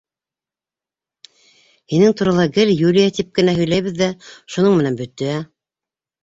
Һинең турала гел Юлия тип кенә һөйләйбеҙ ҙә шуның менән бөтә.